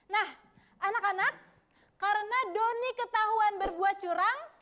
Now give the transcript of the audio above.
nah anak anak karena doni ketahuan berbuat curang